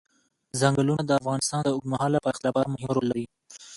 ځنګلونه د افغانستان د اوږدمهاله پایښت لپاره مهم رول لري.